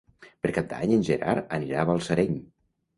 Per Cap d'Any en Gerard anirà a Balsareny.